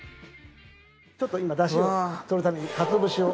ちょっと今ダシをとるために鰹節を。